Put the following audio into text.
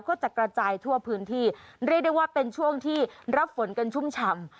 ก็จะกระจายทั่วพื้นที่เรียกได้ว่าเป็นช่วงที่รับฝนกันชุ่มฉ่ำ